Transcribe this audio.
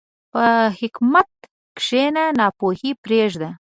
په حکمت کښېنه، ناپوهي پرېږده.